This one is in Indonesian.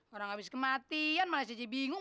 orang habis kematian malah jadi bingung